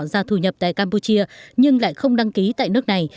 thế giới chuyển động đã tạo ra thu nhập tại campuchia nhưng lại không đăng ký tại nước này